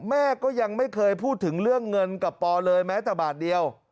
แม่ก็ยังไม่เคยพูดถึงเรื่องเงินกับปอเลยแม้แต่บาทเดียว